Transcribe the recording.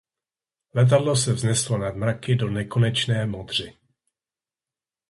Letadlo se vzneslo nad mraky do nekonečné modři.